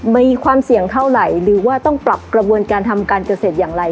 มีความเสี่ยงเท่าไหร่หรือว่าต้องปรับกระบวนการทำการเกษตรอย่างไร